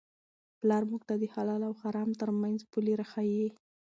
پلار موږ ته د حلال او حرام ترمنځ پولې را ښيي.